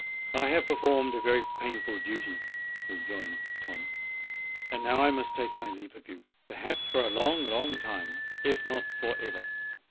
"I have performed a very painful duty," rejoined Tom: "and now I must take my leave of you—perhaps for a long, long time—if not for ever."